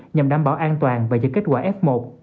nhằm đảm bảo an toàn và giữ kết quả f một